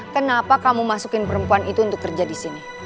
kenapa kamu masukin perempuan itu untuk kerja disini